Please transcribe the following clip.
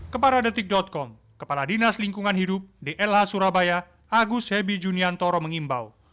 kepada detik com kepala dinas lingkungan hidup dlh surabaya agus hebi juniantoro mengimbau